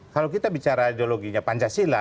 kalau kita bicara ideologinya pancasila